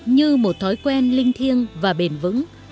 như một thói quen linh thiêng và bền vững